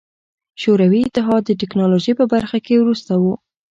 شوروي اتحاد د ټکنالوژۍ په برخه کې وروسته و.